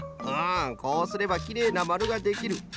うんこうすればきれいなまるができる。